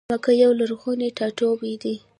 مکه یو لرغونی ټا ټوبی دی.